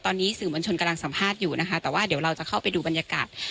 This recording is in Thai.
ตอนนี้สื่อมวลชนกำลังสัมภาษณ์อยู่นะคะแต่ว่าเดี๋ยวเราจะเข้าไปดูบรรยากาศ